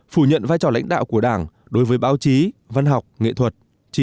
phủ nhận vai trò lãnh đạo của đảng đối với báo chí văn học nghệ thuật